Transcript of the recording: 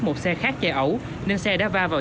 một xe khác chạy ẩu nên xe đã va vào